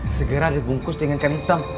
segera dibungkus dengan kain hitam